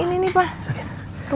ini nih pak